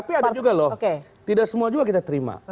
tapi ada juga loh tidak semua juga kita terima